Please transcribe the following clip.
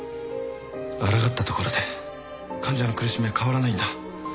あらがったところで患者の苦しみは変わらないんだ。